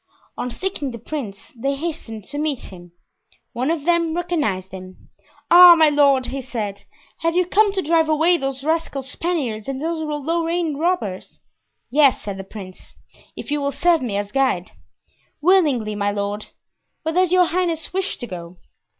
On seeing the prince they hastened to meet him. One of them recognized him. "Ah, my lord," he said, "have you come to drive away those rascal Spaniards and those Lorraine robbers?" "Yes," said the prince, "if you will serve me as guide." "Willingly, my lord. Where does your highness wish to go?"